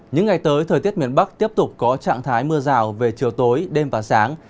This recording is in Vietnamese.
những ngày tới thời tiết miền bắc tiếp tục có trạng thái mưa rào về chiều tối đêm và sáng